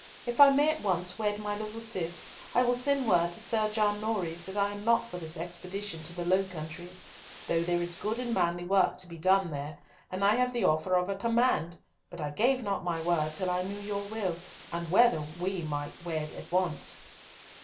If I may at once wed my little Cis I will send word to Sir John Norreys that I am not for this expedition to the Low Countries, though there is good and manly work to be done there, and I have the offer of a command, but I gave not my word till I knew your will, and whether we might wed at once."